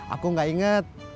aku gak inget